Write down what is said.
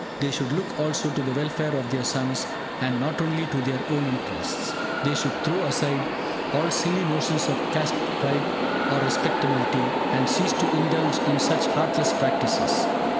They should look also to the welfare of their sons, and not only to their own interests. They should throw aside all silly notions of caste pride or 'respectability', and cease to indulge in such heartless practices.